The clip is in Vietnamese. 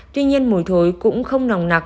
tuy nhiên mùi thối cũng không nòng nặc